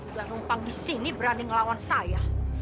ulan rumpang di sini berani ngelawan saya